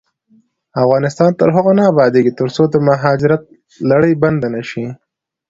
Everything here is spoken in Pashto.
افغانستان تر هغو نه ابادیږي، ترڅو د مهاجرت لړۍ بنده نشي.